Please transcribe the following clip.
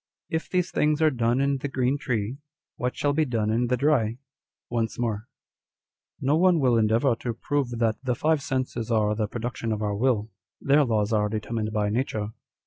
" If these things are done in the green tree, what shall be done in the dry ?" â€" Once more :" No one will endeavour to prove that the five senses are the production of our will : their laws are determined by nature.